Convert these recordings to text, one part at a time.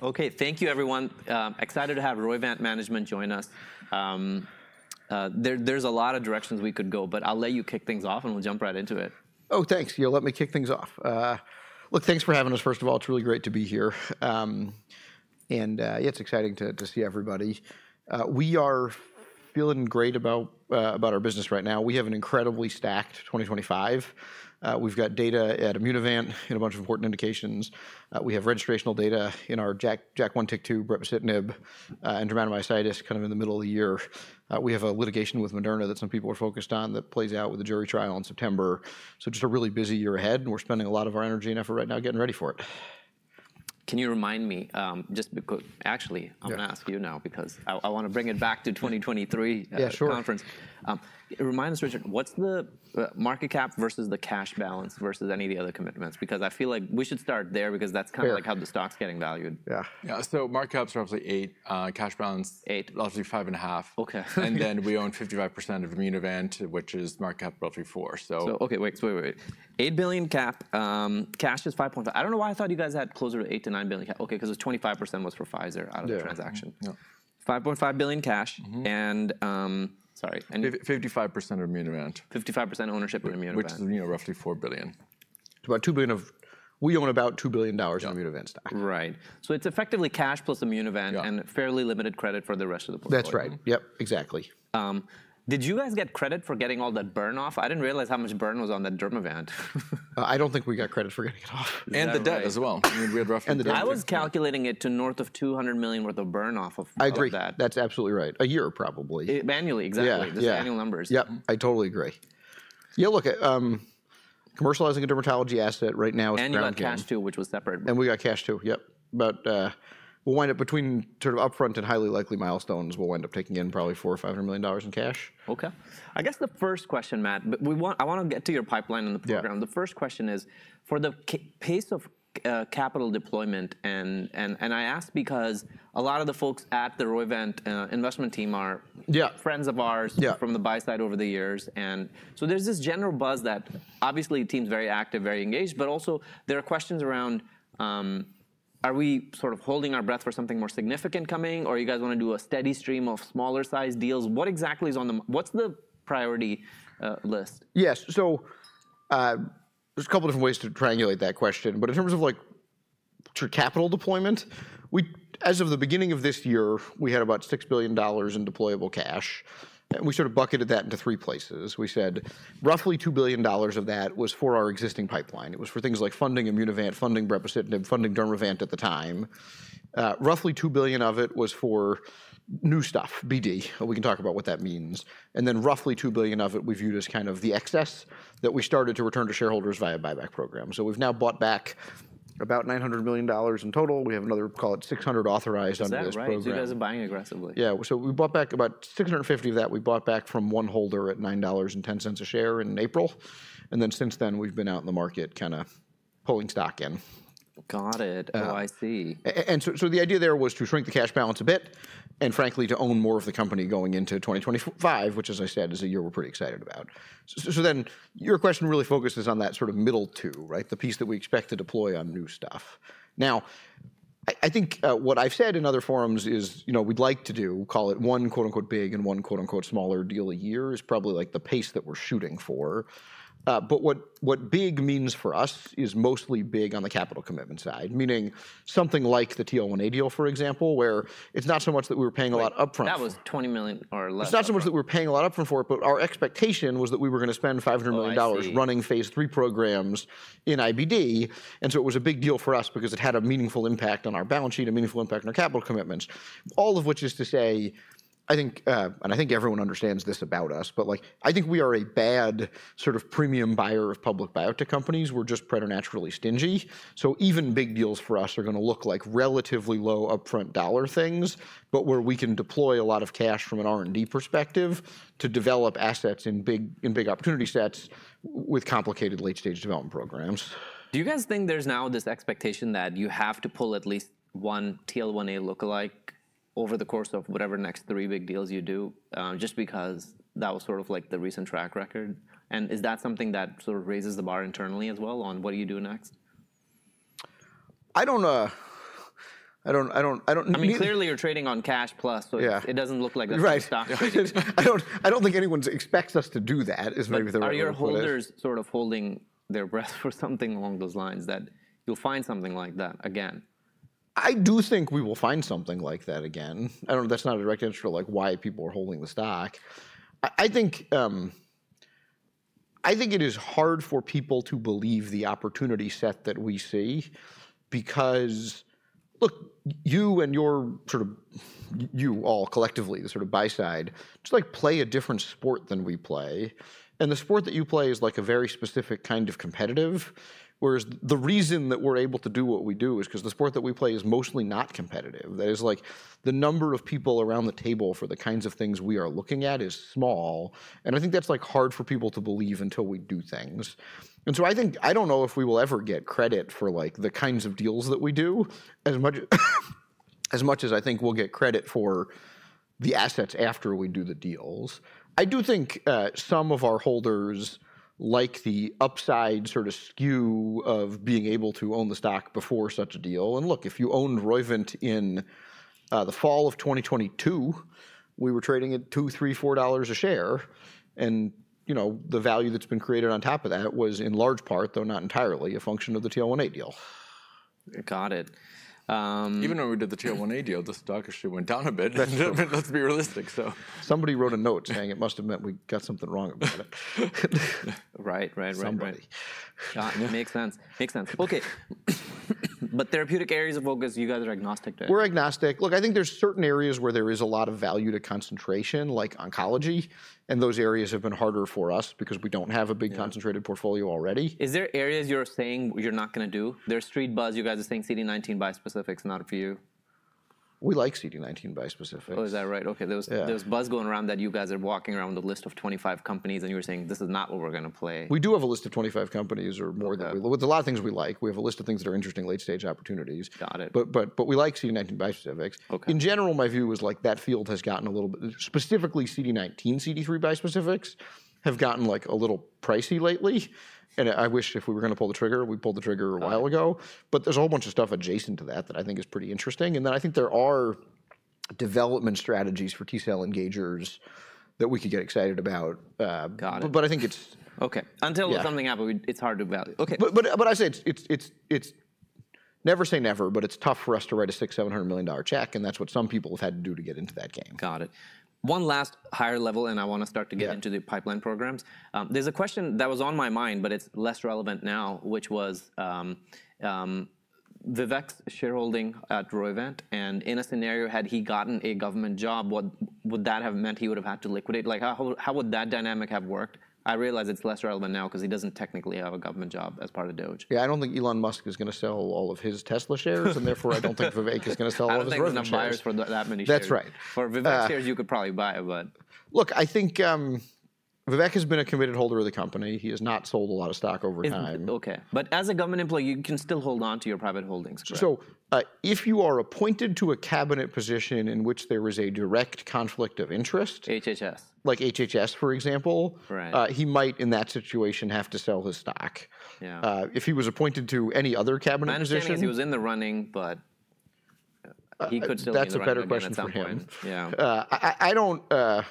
Okay, thank you, everyone. Excited to have Roivant Management join us. There's a lot of directions we could go, but I'll let you kick things off and we'll jump right into it. Oh, thanks. You'll let me kick things off. Look, thanks for having us. First of all, it's really great to be here. And yeah, it's exciting to see everybody. We are feeling great about our business right now. We have an incredibly stacked 2025. We've got data at Immunovant and a bunch of important indications. We have registrational data in our JAK1, TYK2, brepocitinib, and dermatomyositis kind of in the middle of the year. We have a litigation with Moderna that some people are focused on that plays out with the jury trial in September. So just a really busy year ahead, and we're spending a lot of our energy and effort right now getting ready for it. Can you remind me, just because actually, I'm going to ask you now because I want to bring it back to 2023 conference. Yeah, sure. Remind us, Richard, what's the market cap versus the cash balance versus any of the other commitments? Because I feel like we should start there because that's kind of like how the stock's getting valued. Yeah. Yeah. So market cap's roughly $8 billion, cash balance. 8? Roughly five and a half. Okay. And then we own 55% of Immunovant, which is market cap roughly four, so. $8 billion cap, cash is $5.5 billion. I don't know why I thought you guys had closer to $8-9 billion cap. Okay, because it's 25% was for Pfizer out of the transaction. Yeah. $5.5 billion cash and sorry. 55% of Immunovant. 55% ownership of Immunovant. Which is roughly 4 billion. About 2 billion of which we own about $2 billion of Immunovant stock. Right. So it's effectively cash plus Immunovant and fairly limited credit for the rest of the portfolio. That's right. Yep, exactly. Did you guys get credit for getting all that burn off? I didn't realize how much burn was on that Dermavant. I don't think we got credit for getting it off. The devs. As well. I mean, we had roughly. I was calculating it to north of $200 million worth of burn off of that. I agree. That's absolutely right. A year probably. Annually, exactly. Those are annual numbers. Yeah. Yep. I totally agree. Yeah, look, commercializing a dermatology asset right now is probably. And you got cash too, which was separate. We got cash too, yep. But we'll wind up between sort of upfront and highly likely milestones. We'll wind up taking in probably $400 or $500 million in cash. Okay. I guess the first question,, but I want to get to your pipeline and the program. The first question is for the pace of capital deployment, and I ask because a lot of the folks at the Roivant investment team are friends of ours from the buy side over the years. And so there's this general buzz that obviously the team's very active, very engaged, but also there are questions around, are we sort of holding our breath for something more significant coming? Or you guys want to do a steady stream of smaller size deals? What exactly is on the what's the priority list? Yes. So there's a couple of different ways to triangulate that question, but in terms of like sort of capital deployment, as of the beginning of this year, we had about $6 billion in deployable cash. And we sort of bucketed that into three places. We said roughly $2 billion of that was for our existing pipeline. It was for things like funding Immunovant, funding brepocitinib, funding Dermavant at the time. Roughly $2 billion of it was for new stuff, BD. We can talk about what that means. And then roughly $2 billion of it we viewed as kind of the excess that we started to return to shareholders via buyback program. So we've now bought back about $900 million in total. We have another, call it $600 million authorized under that program. Right. So you guys are buying aggressively. Yeah. So we bought back about 650 of that. We bought back from one holder at $9.10 a share in April. And then since then, we've been out in the market kind of pulling stock in. Got it. Oh I see. And so the idea there was to shrink the cash balance a bit and frankly, to own more of the company going into 2025, which as I said is a year we're pretty excited about. So then your question really focuses on that sort of middle two, right? The piece that we expect to deploy on new stuff. Now, I think what I've said in other forums is we'd like to do, call it one "big" and one "smaller" deal a year is probably like the pace that we're shooting for. But what big means for us is mostly big on the capital commitment side, meaning something like the TL1A deal, for example, where it's not so much that we were paying a lot upfront for. That was 20 million or less. It's not so much that we were paying a lot upfront for it, but our expectation was that we were going to spend $500 million running phase III programs in IBD, and so it was a big deal for us because it had a meaningful impact on our balance sheet, a meaningful impact on our capital commitments. All of which is to say, I think, and I think everyone understands this about us, but I think we are a bad sort of premium buyer of public biotech companies. We're just preternaturally stingy, so even big deals for us are going to look like relatively low upfront dollar things, but where we can deploy a lot of cash from an R&D perspective to develop assets in big opportunity sets with complicated late-stage development programs. Do you guys think there's now this expectation that you have to pull at least one TL1A lookalike over the course of whatever next three big deals you do just because that was sort of like the recent track record? And is that something that sort of raises the bar internally as well on what do you do next? I don't. I mean, clearly you're trading on cash plus, so it doesn't look like there's a stock. Right. I don't think anyone expects us to do that, is maybe the right word. Are your holders sort of holding their breath for something along those lines that you'll find something like that again? I do think we will find something like that again. I don't know if that's not a direct answer to why people are holding the stock. I think it is hard for people to believe the opportunity set that we see because, look, you and your sort of you all collectively, the sort of buy side, just like play a different sport than we play. And the sport that you play is like a very specific kind of competitive. Whereas the reason that we're able to do what we do is because the sport that we play is mostly not competitive. That is like the number of people around the table for the kinds of things we are looking at is small. And I think that's like hard for people to believe until we do things. And so I think I don't know if we will ever get credit for the kinds of deals that we do as much as I think we'll get credit for the assets after we do the deals. I do think some of our holders like the upside sort of skew of being able to own the stock before such a deal. And look, if you owned Roivant in the fall of 2022, we were trading at $2-4 a share. And the value that's been created on top of that was in large part, though not entirely, a function of the TL1A deal. Got it. Even when we did the TL1A deal, the stock actually went down a bit. Let's be realistic, so. Somebody wrote a note saying it must have meant we got something wrong about it. Right, right, right. Somebody. Makes sense. Makes sense. Okay. But therapeutic areas of focus, you guys are agnostic to it. We're agnostic. Look, I think there's certain areas where there is a lot of value to concentration, like oncology. And those areas have been harder for us because we don't have a big concentrated portfolio already. Is there areas you're saying you're not going to do? There's street buzz. You guys are saying CD19 bispecifics not for you. We like CD19 bispecific. Oh, is that right? Okay. There's buzz going around that you guys are walking around the list of 25 companies and you were saying, "This is not what we're going to play. We do have a list of 25 companies or more that we like. It's a lot of things we like. We have a list of things that are interesting late-stage opportunities. Got it. But we like CD19 bispecific. In general, my view is like that field has gotten a little bit, specifically CD19, CD3 bispecifics have gotten like a little pricey lately. And I wish if we were going to pull the trigger, we pulled the trigger a while ago. But there's a whole bunch of stuff adjacent to that that I think is pretty interesting. And then I think there are development strategies for T-cell engagers that we could get excited about. Got it. But I think it's. Okay. Until something happens, it's hard to value. Okay. But I say it's never say never, but it's tough for us to write a $600-700 million check. And that's what some people have had to do to get into that game. Got it. One last higher level, and I want to start to get into the pipeline programs. There's a question that was on my mind, but it's less relevant now, which was Vivek's shareholding at Roivant. And in a scenario, had he gotten a government job, would that have meant he would have had to liquidate? Like how would that dynamic have worked? I realize it's less relevant now because he doesn't technically have a government job as part of DOGE. Yeah, I don't think Elon Musk is going to sell all of his Tesla shares. And therefore, I don't think Vivek is going to sell all of his Roivant shares. Vivek's not buyers for that many shares. That's right. For Vivek's shares, you could probably buy it, but. Look, I think Vivek has been a committed holder of the company. He has not sold a lot of stock over time. Okay. But as a government employee, you can still hold on to your private holdings. If you are appointed to a cabinet position in which there is a direct conflict of interest. HHS. Like HHS, for example, he might in that situation have to sell his stock. If he was appointed to any other cabinet position. Manager says he was in the running, but he could still do that. That's a better question for him. Yeah.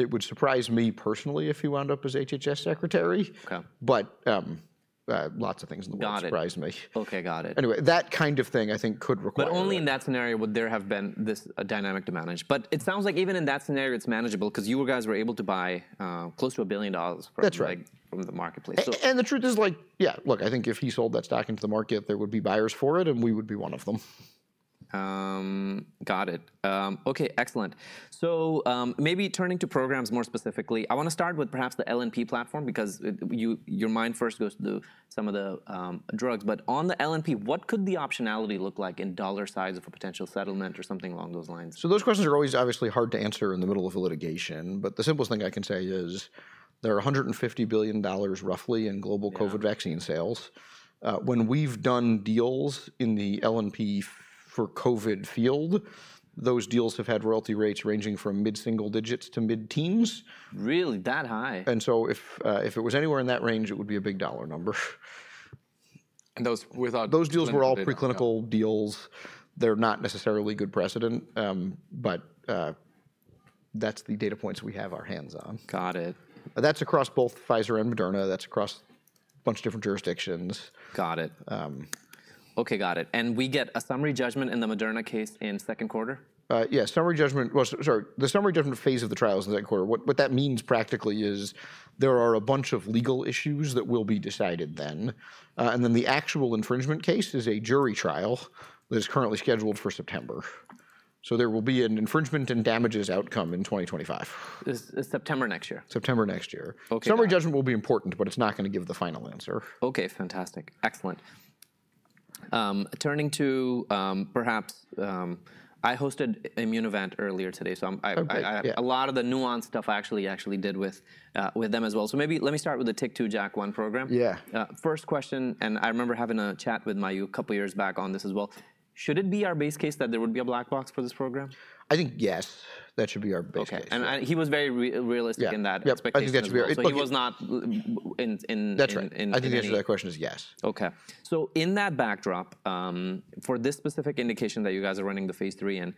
It would surprise me personally if he wound up as HHS secretary. But lots of things in the world surprise me. Got it. Okay, got it. Anyway, that kind of thing I think could require. But only in that scenario would there have been this dynamic to manage. But it sounds like even in that scenario, it's manageable because you guys were able to buy close to $1 billion from the marketplace. That's right, and the truth is like, yeah, look, I think if he sold that stock into the market, there would be buyers for it and we would be one of them. Got it. Okay, excellent. So maybe turning to programs more specifically, I want to start with perhaps the LNP platform because your mind first goes to some of the drugs. But on the LNP, what could the optionality look like in dollar size of a potential settlement or something along those lines? Those questions are always obviously hard to answer in the middle of a litigation. The simplest thing I can say is there are $150 billion roughly in global COVID vaccine sales. When we've done deals in the LNP for COVID field, those deals have had royalty rates ranging from mid-single digits to mid-teens. Really? That high? If it was anywhere in that range, it would be a big dollar number. Those without. Those deals were all preclinical deals. They're not necessarily good precedent, but that's the data points we have our hands on. Got it. That's across both Pfizer and Moderna. That's across a bunch of different jurisdictions. Got it. Okay, got it. And we get a summary judgment in the Moderna case in second quarter? Yeah, summary judgment. Well, sorry, the summary judgment phase of the trial is in second quarter. What that means practically is there are a bunch of legal issues that will be decided then, and then the actual infringement case is a jury trial that is currently scheduled for September, so there will be an infringement and damages outcome in 2025. September next year. September next year. Okay. Summary judgment will be important, but it's not going to give the final answer. Okay, fantastic. Excellent. Turning to Immunovant, perhaps I hosted Immunovant earlier today. So a lot of the nuanced stuff I actually did with them as well. So maybe let me start with the TYK2, JAK1 program. Yeah. First question, and I remember having a chat with Mayukh a couple of years back on this as well. Should it be our base case that there would be a black box for this program? I think yes. That should be our base case. Okay. And he was very realistic in that expectation. Yeah, I think that should be our expectation. But he was not in. That's right. I think the answer to that question is yes. Okay. So in that backdrop, for this specific indication that you guys are running the phase 3 and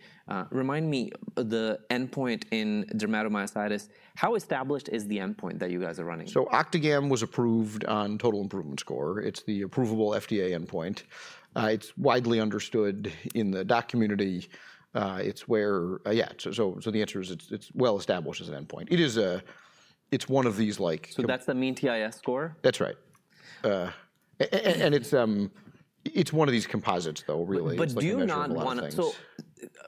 remind me the endpoint in dermatomyositis, how established is the endpoint that you guys are running? Octagam was approved on total improvement score. It's the approvable FDA endpoint. It's widely understood in the doc community. It's where, yeah, so the answer is it's well established as an endpoint. It's one of these like. So that's the mean TIS score? That's right, and it's one of these composites though, really. But do you not want to? So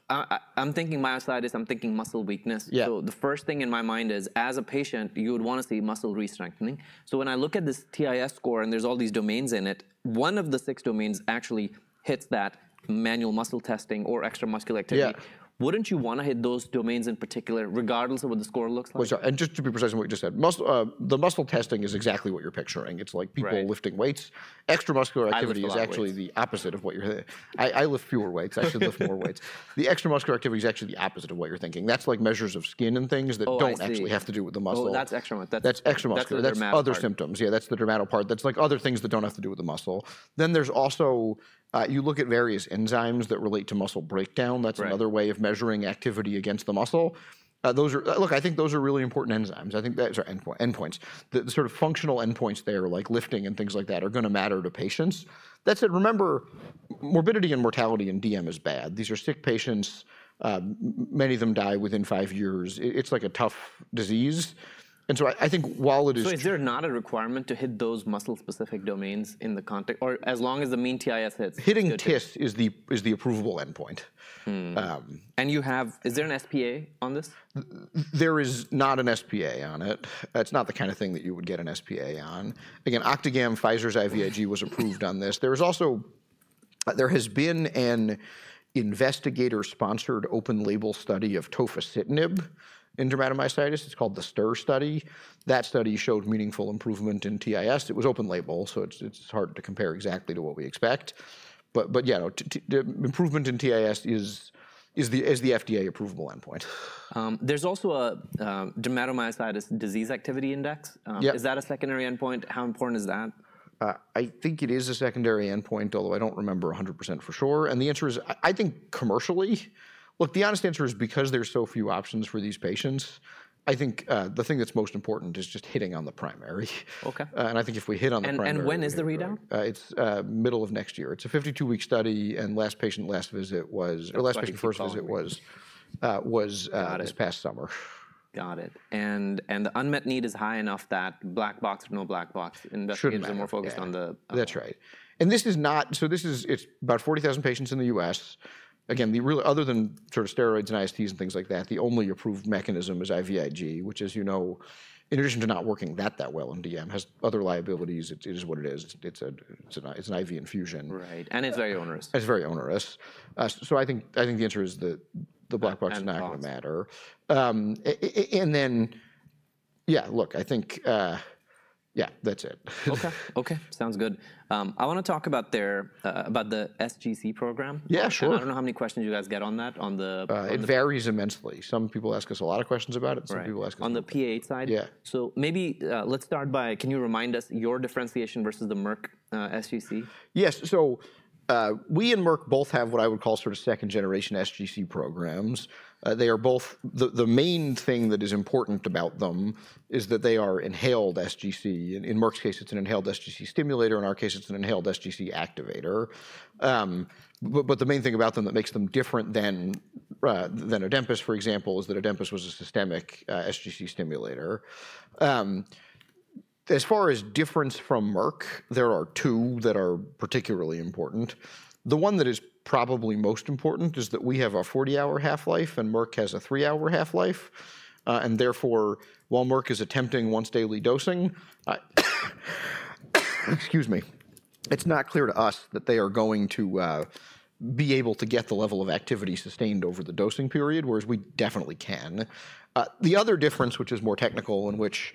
I'm thinking myositis, I'm thinking muscle weakness. So the first thing in my mind is as a patient, you would want to see muscle restrengthening. So when I look at this TIS score and there's all these domains in it, one of the six domains actually hits that manual muscle testing or extramuscular activity. Wouldn't you want to hit those domains in particular regardless of what the score looks like? Well, and just to be precise on what you just said, the muscle testing is exactly what you're picturing. It's like people lifting weights. Extramuscular activity is actually the opposite of what you're thinking. I lift fewer weights. I should lift more weights. The extramuscular activity is actually the opposite of what you're thinking. That's like measures of skin and things that don't actually have to do with the muscle. Oh, that's extramuscular. That's extramuscular. That's other symptoms. Yeah, that's the dermato part. That's like other things that don't have to do with the muscle. Then there's also you look at various enzymes that relate to muscle breakdown. That's another way of measuring activity against the muscle. Look, I think those are really important enzymes. I think that's our endpoints. The sort of functional endpoints there like lifting and things like that are going to matter to patients. That said, remember, morbidity and mortality in DM is bad. These are sick patients. Many of them die within five years. It's like a tough disease, and so I think while it is. So is there not a requirement to hit those muscle-specific domains in the context or as long as the mean TIS hits? Hitting TIS is the approvable endpoint. You have, is there an SPA on this? There is not an SPA on it. It's not the kind of thing that you would get an SPA on. Again, Octagam, Pfizer's IVIG was approved on this. There is also, there has been an investigator-sponsored open-label study of tofacitinib in dermatomyositis. It's called the STIR study. That study showed meaningful improvement in TIS. It was open-label, so it's hard to compare exactly to what we expect. But yeah, improvement in TIS is the FDA-approvable endpoint. There's also a dermatomyositis disease activity index. Is that a secondary endpoint? How important is that? I think it is a secondary endpoint, although I don't remember 100% for sure. And the answer is, I think commercially, look, the honest answer is because there's so few options for these patients, I think the thing that's most important is just hitting on the primary. And I think if we hit on the primary. When is the readout? It's middle of next year. It's a 52-week study, and last patient, last visit was, or last patient, 1st visit was, this past summer. Got it. And the unmet need is high enough that black box or no black box, investigator is more focused on the. That's right. And this is not, so this is, it's about 40,000 patients in the US Again, the real, other than sort of steroids and ISTs and things like that, the only approved mechanism is IVIG, which is, you know, in addition to not working that well in DM, has other liabilities. It is what it is. It's an IV infusion. Right, and it's very onerous. It's very onerous. So I think the answer is the black box is not going to matter. And then, yeah, look, I think, yeah, that's it. Okay. Okay. Sounds good. I want to talk about the SGC program. Yeah, sure. I don't know how many questions you guys get on that, on the. It varies immensely. Some people ask us a lot of questions about it. Some people ask us. On the PAH side? Yeah. Maybe let's start by, can you remind us your differentiation versus the Merck SGC? Yes, so we and Merck both have what I would call sort of second-generation SGC programs. They are both, the main thing that is important about them is that they are inhaled SGC. In Merck's case, it's an inhaled SGC stimulator. In our case, it's an inhaled SGC activator. But the main thing about them that makes them different than Adempas, for example, is that Adempas was a systemic SGC stimulator. As far as difference from Merck, there are two that are particularly important. The one that is probably most important is that we have a 40-hour half-life and Merck has a three-hour half-life. And therefore, while Merck is attempting once-daily dosing, excuse me, it's not clear to us that they are going to be able to get the level of activity sustained over the dosing period, whereas we definitely can. The other difference, which is more technical, which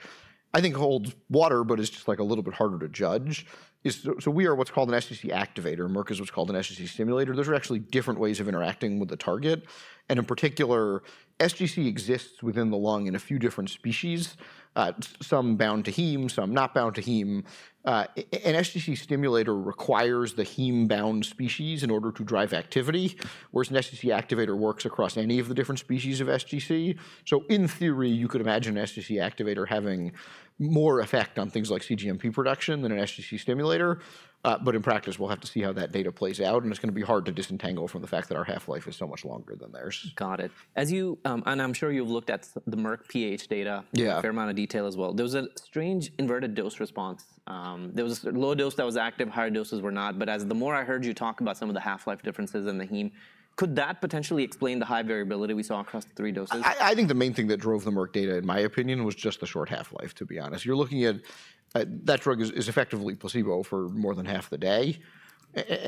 I think holds water, but is just like a little bit harder to judge, is so we are what's called an SGC activator. Merck is what's called an SGC stimulator. Those are actually different ways of interacting with the target. And in particular, SGC exists within the lung in a few different species. Some bound to heme, some not bound to heme. An SGC stimulator requires the heme-bound species in order to drive activity, whereas an SGC activator works across any of the different species of SGC. So in theory, you could imagine an SGC activator having more effect on things like cGMP production than an SGC stimulator. But in practice, we'll have to see how that data plays out. And it's going to be hard to disentangle from the fact that our half-life is so much longer than theirs. Got it. As you, and I'm sure you've looked at the Merck PH data in a fair amount of detail as well. There was a strange inverted dose response. There was a low dose that was active, higher doses were not. But the more I heard you talk about some of the half-life differences in the heme, could that potentially explain the high variability we saw across the three doses? I think the main thing that drove the Merck data, in my opinion, was just the short half-life, to be honest. You're looking at that drug is effectively placebo for more than half the day,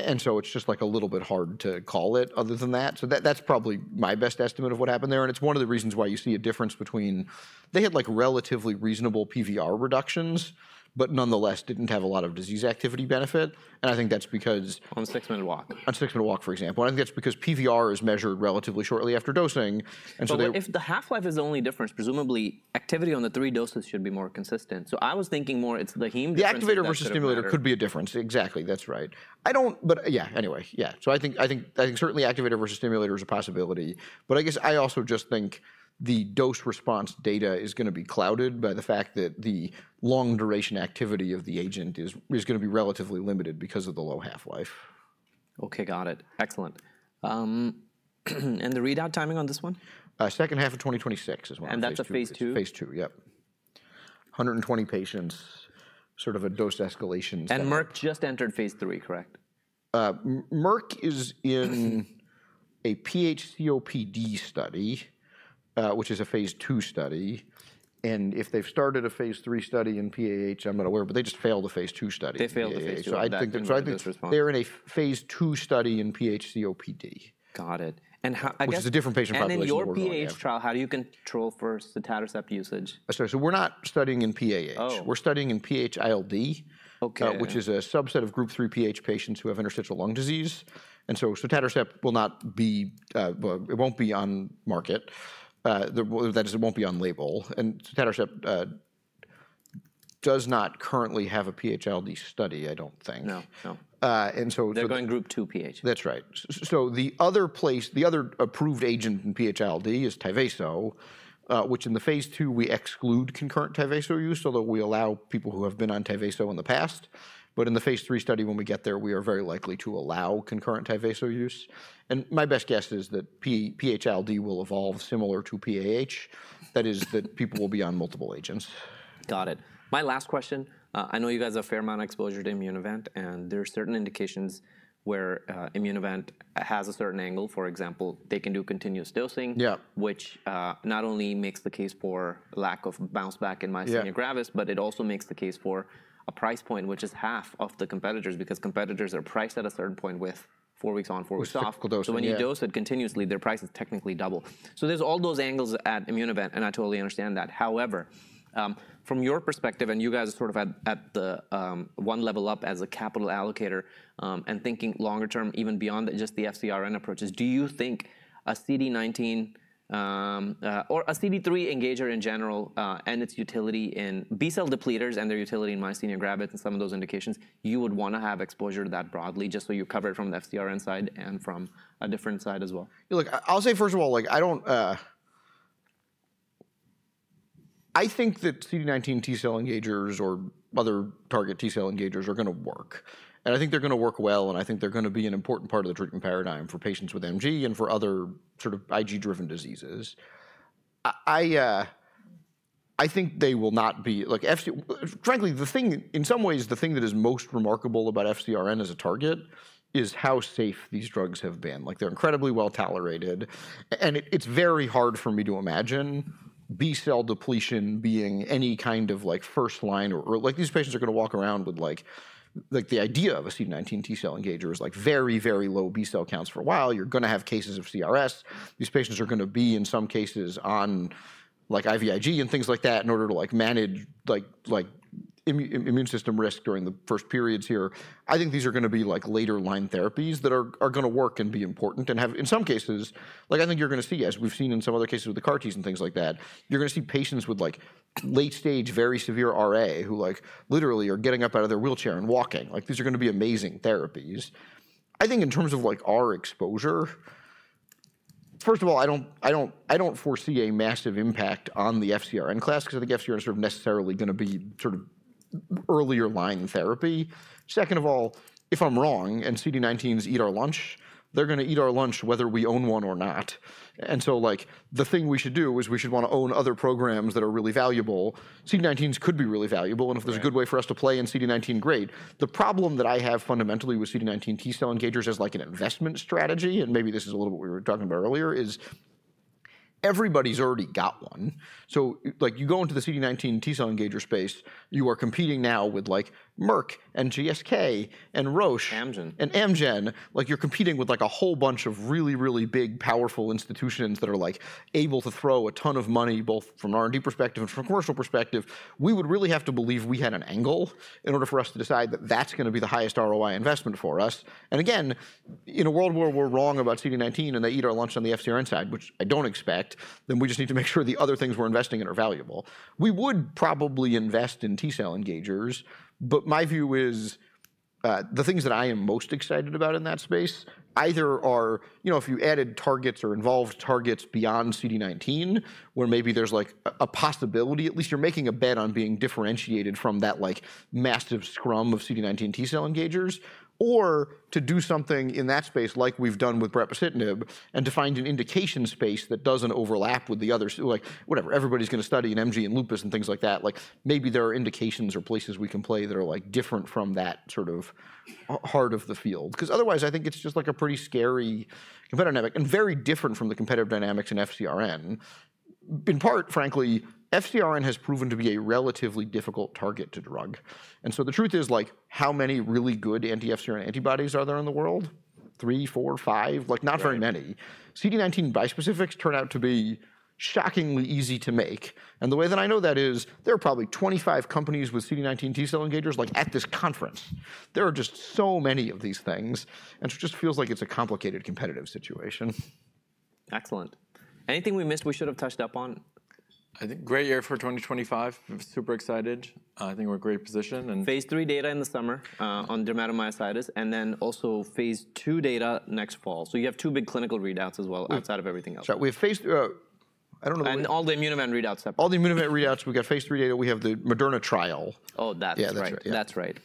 and so it's just like a little bit hard to call it other than that, so that's probably my best estimate of what happened there, and it's one of the reasons why you see a difference between they had like relatively reasonable PVR reductions, but nonetheless didn't have a lot of disease activity benefit, and I think that's because. On a six-minute walk. On a 6-minute walk, for example. And I think that's because PVR is measured relatively shortly after dosing. And so they. If the half-life is the only difference, presumably activity on the 3 doses should be more consistent. I was thinking more it's the heme difference. The activator versus stimulator could be a difference. Exactly. That's right. I don't, but yeah, anyway, yeah. So I think certainly activator versus stimulator is a possibility. But I guess I also just think the dose response data is going to be clouded by the fact that the long-duration activity of the agent is going to be relatively limited because of the low half-life. Okay, got it. Excellent. And the readout timing on this one? Second half of 2026 is when I see it. That's a phase II? phase II, yep. 120 patients, sort of a dose escalation study. Merck just entered phase III, correct? Merck is in a PH-COPD study, which is a phase II study. If they've started a phase III study in PAH, I'm not aware, but they just failed a phase II study. They failed a Phase II study. So I think they're in a phase II study in PH-COPD. Got it. And how. Which is a different patient population than PAH. In your PAH trial, how do you control for sotatercept usage? We're not studying in PAH. We're studying in PH-ILD, which is a subset of group 3 PH patients who have interstitial lung disease. And so sotatercept will not be. It won't be on market. That is, it won't be on label. And sotatercept does not currently have a PH-ILD study, I don't think. No, no. They're going Group 2 PH. That's right. So the other approved agent in PHILD is Tyvaso, which in the phase II, we exclude concurrent Tyvaso use, although we allow people who have been on Tyvaso in the past. But in the phase III study, when we get there, we are very likely to allow concurrent Tyvaso use. And my best guess is that PHILD will evolve similar to PAH. That is, that people will be on multiple agents. Got it. My last question. I know you guys have a fair amount of exposure to Immunovant, and there are certain indications where Immunovant has a certain angle. For example, they can do continuous dosing, which not only makes the case for lack of bounce back in myasthenia gravis, but it also makes the case for a price point, which is half of the competitors because competitors are priced at a certain point with 4 weeks on, 4 weeks off. With topical dosing. So when you dose it continuously, their price is technically double. So there's all those angles at Immunovant, and I totally understand that. However, from your perspective, and you guys are sort of at the one level up as a capital allocator and thinking longer term, even beyond just the FcRn approaches, do you think a CD19 or a CD3 engager in general and its utility in B-cell depleters and their utility in myasthenia gravis and some of those indications, you would want to have exposure to that broadly just so you cover it from the FcRn side and from a different side as well? Look, I'll say first of all, I don't. I think that CD19 T-cell engagers or other target T-cell engagers are going to work. And I think they're going to work well. And I think they're going to be an important part of the treatment paradigm for patients with MG and for other sort of IgG-driven diseases. I think they will not be, frankly, the thing. In some ways, the thing that is most remarkable about FcRn as a target is how safe these drugs have been. Like they're incredibly well tolerated. And it's very hard for me to imagine B-cell depletion being any kind of like first line or like these patients are going to walk around with like the idea of a CD19 T-cell engager is like very, very low B-cell counts for a while. You're going to have cases of CRS. These patients are going to be in some cases on like IVIG and things like that in order to like manage like immune system risk during the first periods here. I think these are going to be like later line therapies that are going to work and be important and have in some cases, like I think you're going to see, as we've seen in some other cases with the CAR-Ts and things like that, you're going to see patients with like late-stage, very severe RA who like literally are getting up out of their wheelchair and walking. Like these are going to be amazing therapies. I think in terms of like our exposure, first of all, I don't foresee a massive impact on the FcRn class because I think FcRn is sort of necessarily going to be sort of earlier line therapy. Second of all, if I'm wrong and CD19s eat our lunch, they're going to eat our lunch whether we own one or not. And so like the thing we should do is we should want to own other programs that are really valuable. CD19s could be really valuable. And if there's a good way for us to play in CD19, great. The problem that I have fundamentally with CD19 T-cell engagers as like an investment strategy, and maybe this is a little bit what we were talking about earlier, is everybody's already got one. So like you go into the CD19 T-cell engager space, you are competing now with like Merck and GSK and Roche. Amgen. And Amgen, like you're competing with like a whole bunch of really, really big, powerful institutions that are like able to throw a ton of money both from an R&D perspective and from a commercial perspective. We would really have to believe we had an angle in order for us to decide that that's going to be the highest ROI investment for us. And again, in a world where we're wrong about CD19 and they eat our lunch on the FcRn side, which I don't expect, then we just need to make sure the other things we're investing in are valuable. We would probably invest in T-cell engagers, but my view is the things that I am most excited about in that space either are, you know, if you added targets or involved targets beyond CD19, where maybe there's like a possibility, at least you're making a bet on being differentiated from that like massive scrum of CD19 T-cell engagers, or to do something in that space like we've done with brepocitinib and to find an indication space that doesn't overlap with the others, like whatever, everybody's going to study in MG and lupus and things like that. Like maybe there are indications or places we can play that are like different from that sort of heart of the field. Because otherwise, I think it's just like a pretty scary competitive dynamic and very different from the competitive dynamics in FcRn. In part, frankly, FcRn has proven to be a relatively difficult target to drug. And so the truth is like how many really good anti-FcRn antibodies are there in the world? Three, four, five? Like not very many. CD19 bispecifics turn out to be shockingly easy to make. And the way that I know that is there are probably 25 companies with CD19 T-cell engagers like at this conference. There are just so many of these things. And it just feels like it's a complicated competitive situation. Excellent. Anything we missed we should have touched up on? I think great year for 2025. I'm super excited. I think we're in a great position. phase three data in the summer on dermatomyositis and then also phase two data next fall, so you have two big clinical readouts as well outside of everything else. We have phase, I don't know. And all the Immunovant readouts separately. All the Immunovant readouts, we've got phase III data, we have the Moderna trial. Oh, that's right. That's right.